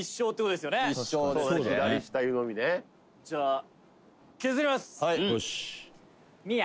「じゃあ」